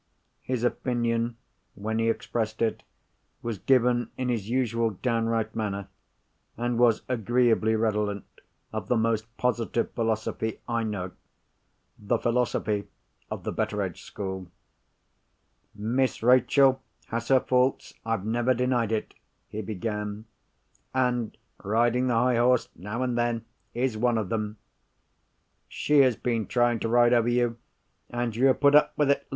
His opinion, when he expressed it, was given in his usual downright manner, and was agreeably redolent of the most positive philosophy I know—the philosophy of the Betteredge school. "Miss Rachel has her faults—I've never denied it," he began. "And riding the high horse, now and then, is one of them. She has been trying to ride over you—and you have put up with it.